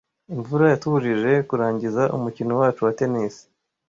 Imvura yatubujije kurangiza umukino wacu wa tennis.